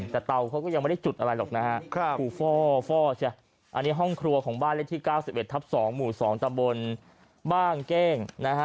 แต่เตาเขาก็ยังไม่ได้จุดอะไรหรอกนะฮะภูฟ่อใช่ไหมอันนี้ห้องครัวของบ้านเลขที่๙๑ทับ๒หมู่๒ตำบลบ้างเก้งนะฮะ